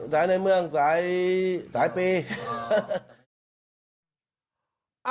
สายในเมืองสายปี